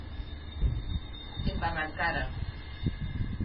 Embarrancara.